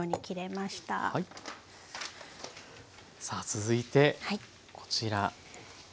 さあ続いてこちら。